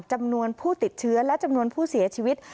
จำนวนผู้ติดเชื้อและจำนวนผู้เสียชีวิต